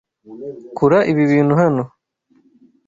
Kura ibi bintu hano.